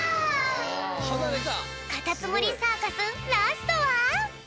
カタツムリサーカスラストは！